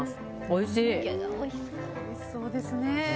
おいしそうですね。